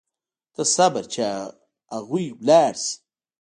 ته صبر چې اغئ لاړ شي.